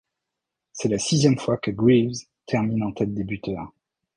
C'est la sixième fois que Greaves termine en tête des buteurs.